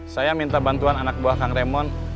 saya minta bantuan anak buah kang remon